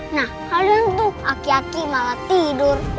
nah kalian tuh aki aki malah tidur